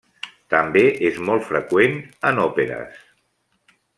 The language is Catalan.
També és molt freqüent en òperes.